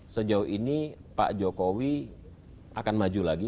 sejauh ini pak jokowi akan maju lagi